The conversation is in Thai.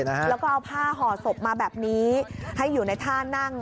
แล้วก็เอาผ้าห่อศพมาแบบนี้ให้อยู่ในท่านั่ง